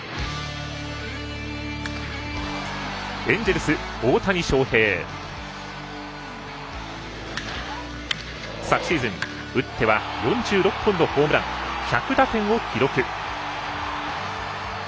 エンジェルス、大谷翔平。昨シーズン、打っては４６本のホームラン１００打点を記録。